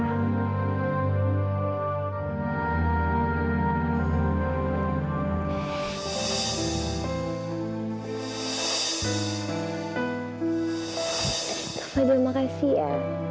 pak fadil makasih ya